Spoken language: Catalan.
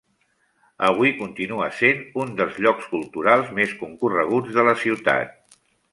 Avui continua sent un dels llocs culturals més concorreguts de la ciutat.